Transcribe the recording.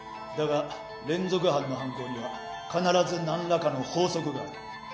だが連続犯の犯行には必ず何らかの法則がある。